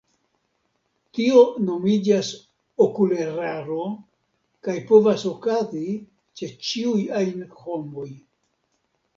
Tio nomiĝas okuleraro, kaj povas okazi ĉe ĉiuj ajn homoj.